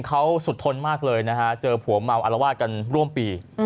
เขาสุดทนมากเลยนะฮะเจอผัวเมาอารวาสกันร่วมปี